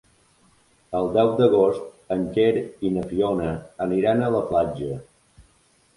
El deu d'agost en Quer i na Fiona aniran a la platja.